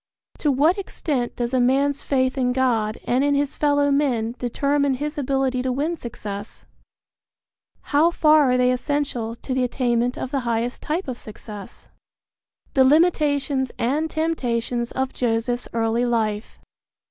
To what extent does a man's faith in God and in his fellow men determine his ability to win success? How far are they essential to the attainment of the highest type of success? II. THE LIMITATIONS AND TEMPTATIONS OF JOSEPH'S EARLY LIFE.